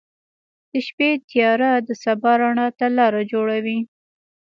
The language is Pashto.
• د شپې تیاره د سبا رڼا ته لاره جوړوي.